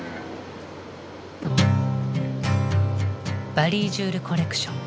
バリー・ジュール・コレクション。